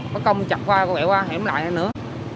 có công chặt qua có vẻ qua hẻm lại hay nữa